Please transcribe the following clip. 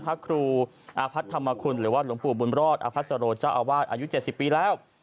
พระครูอาพัฒนธรรมคุณหรือว่าหลวงปู่บุญรอดอภัสโรเจ้าอาวาสอายุ๗๐ปีแล้ว